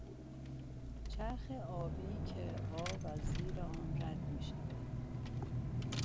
چرخ آبی که آب از زیر آن رد میشود